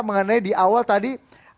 mengenai di awal tadi